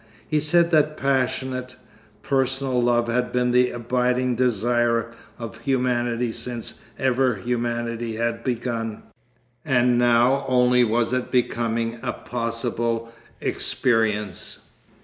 He said that passionate, personal love had been the abiding desire of humanity since ever humanity had begun, and now only was it becoming a possible experience.